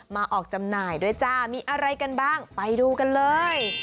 มาออกจำหน่ายด้วยจ้ามีอะไรกันบ้างไปดูกันเลย